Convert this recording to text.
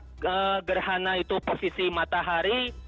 karena pada saat gerhana itu posisi matahari